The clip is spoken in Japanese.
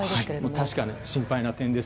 確かに心配な点です。